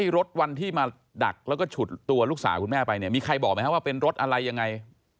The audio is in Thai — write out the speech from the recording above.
รถวันที่มาดักแล้วก็ฉุดตัวลูกสาวคุณแม่ไปเนี่ยมีใครบอกไหมครับว่าเป็นรถอะไรยังไง